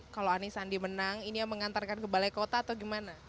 kalau anies sandi menang ini yang mengantarkan ke balai kota atau gimana